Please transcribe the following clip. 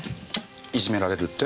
いじめられるって？